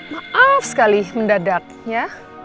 maaf sekali mendadak ya